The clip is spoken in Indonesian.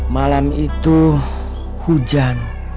malam itu hujan